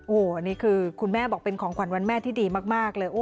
โอ้โหนี่คือคุณแม่บอกเป็นของขวัญวันแม่ที่ดีมากเลย